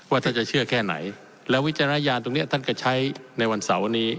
ท่านจะเชื่อแค่ไหนแล้ววิจารณญาณตรงนี้ท่านก็ใช้ในวันเสาร์นี้